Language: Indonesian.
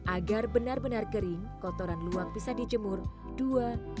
agar benar benar kering kotoran luwak bisa dijemur dua hari